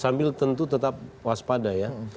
sambil tentu tetap waspada ya